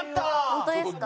本当ですか？